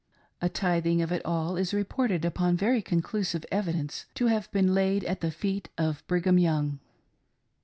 A tithing of it all is reported upon very conclusive evidence to have been laid at the feet of Brigham Young.